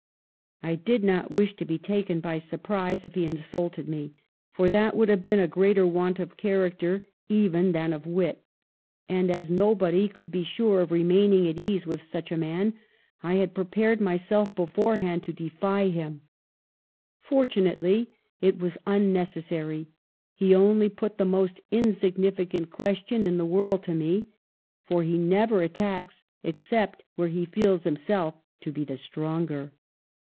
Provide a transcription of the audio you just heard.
I did not wish to be taken by surprise if he insulted me, for that would have been a greater want of char acter even than of wit ; and as nobody could be 7 Digitized by VjOOQIC 98 MADAME DE STAML sure of remaining at ease with such a man, I had prepared myself beforehand to defy him. For tunately, it was unnecessary; he only put the most insignificant question in the world to me, for ... he never attacks except where he feels himself to be the stronger."